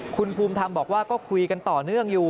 คุณภูมิธรรมบอกว่าก็คุยกันต่อเนื่องอยู่